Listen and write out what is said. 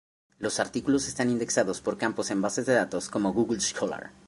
Los artículos están indexados por campos en bases de datos como Google Scholar.